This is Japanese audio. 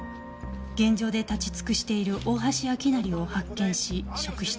現場で立ち尽くしている大橋明成を発見し職質。